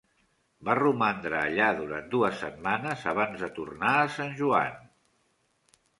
Va romandre allà durant dues setmanes abans de tornar a San Juan.